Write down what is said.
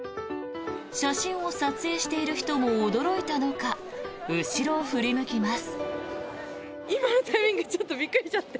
写真を撮影している人も驚いたのか後ろを振り向きます。